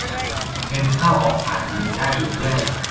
เงินเข้าออกผ่านมือได้อีกเรื่อย